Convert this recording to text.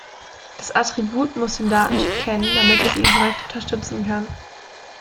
Das Attribut muss den Datentyp kennen, damit es ihn korrekt unterstützen kann.